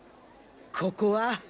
ここは。